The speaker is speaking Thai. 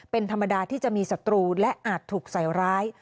เป็นธรรมดาที่จะมีศัตรูและอาจถูกใส่ร้าย